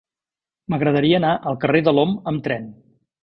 M'agradaria anar al carrer de l'Om amb tren.